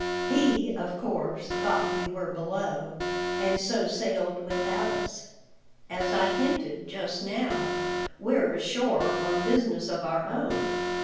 He, of course, thought we were below, and so sailed without us. As I hinted just now, we're ashore on business of our own.